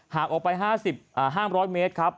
หากออกไป๕๐๐เมตรครับ